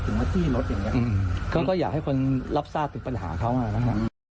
ถึงว่าที่รถอย่างเงี้ยเขาก็อย่าให้คนลับส้าถึงปัญหาเขามากนะฮะ